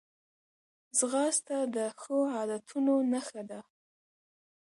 ځغاسته د ښو عادتونو نښه ده